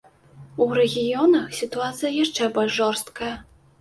У рэгіёнах сітуацыя яшчэ больш жорсткая.